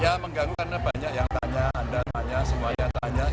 ya mengganggu karena banyak yang tanya anda nanya semuanya tanya